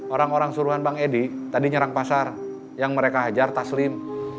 orang orang suruhan bang edi tadi nyerang pasar yang mereka hajar taslim